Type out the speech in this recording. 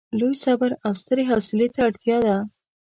لوی صبر او سترې حوصلې ته اړتیا ده.